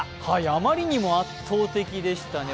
あまりにも圧倒的でしたね。